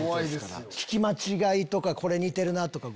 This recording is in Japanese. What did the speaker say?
聞き間違いとかこれ似てるなぁとか。